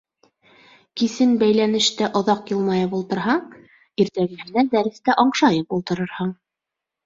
Кисен «Бәйләнештә» оҙаҡ йылмайып ултырһаң, иртәгеһенә дәрестә аңшайып ултырырһың.